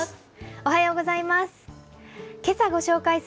おはようございます。